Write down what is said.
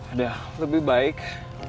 aduh lebih baik